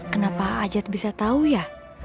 kenapa najat bisa tau ya